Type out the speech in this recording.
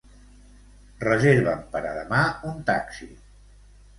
Reserva'm per a demà un taxi.